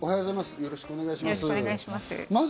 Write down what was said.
よろしくお願いします。